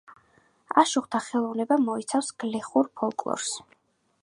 აშუღთა ხელოვნება მოიცავს გლეხურ ფოლკლორს.